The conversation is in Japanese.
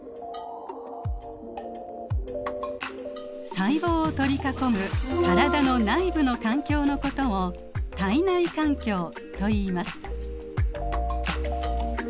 細胞を取り囲む体の内部の環境のことを体内環境といいます。